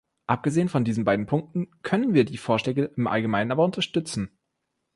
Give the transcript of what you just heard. Abgesehen von diesen beiden Punkten können wir die Vorschläge im Allgemeinen aber unterstützen.